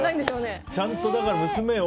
ちゃんと娘を。